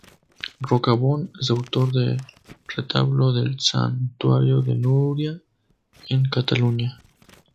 Roca Bon es autor del retablo del santuario de Nuria, en Cataluña.